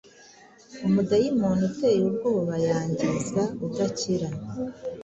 Umudayimoni uteye ubwobayangiza udakira